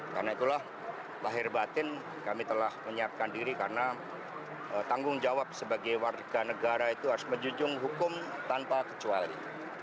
karena itulah lahir batin kami telah menyiapkan diri karena tanggung jawab sebagai warga negara itu harus menjunjung hukum tanpa kecuali